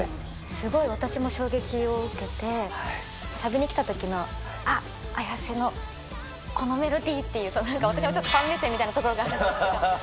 すごい私も衝撃を受けて、サビにきたときの、あっ、Ａｙａｓｅのこのメロディーっていう、添えなんか、私もちょっとファン目線みたいなところがあるんです